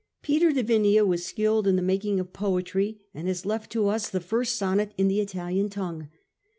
Peter de Vinea was skilled in the making of poetry, and has left to us the first sonnet in the Italian tongue.